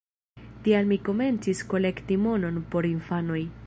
Tial mi komencis kolekti monon por infanoj.